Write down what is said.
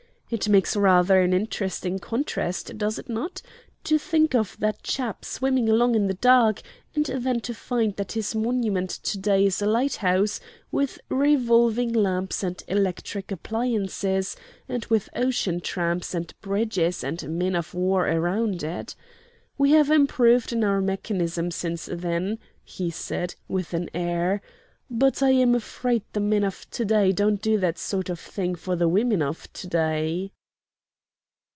It makes rather an interesting contrast does it not? to think of that chap swimming along in the dark, and then to find that his monument to day is a lighthouse, with revolving lamps and electric appliances, and with ocean tramps and bridges and men of war around it. We have improved in our mechanism since then," he said, with an air, "but I am afraid the men of to day don't do that sort of thing for the women of to day."